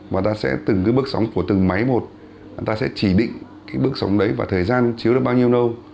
và ta sẽ từng cái bước sóng của từng máy một ta sẽ chỉ định cái bước sóng đấy và thời gian chứa được bao nhiêu lâu